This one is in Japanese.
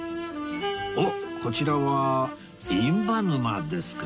おっこちらは印旛沼ですか